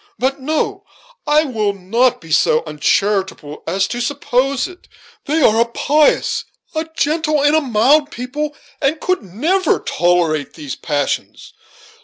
But no I will not be so uncharitable as to suppose it. They are a pious, a gentle, and a mild people, and could never tolerate these passions.